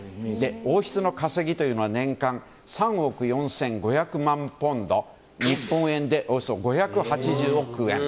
王室の稼ぎというのは年間３億４５００万ポンド日本円でおよそ５８０億円。